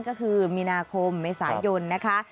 ก็คือมีนาคมเมษายนนะคะ